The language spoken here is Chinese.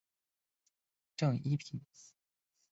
正一品。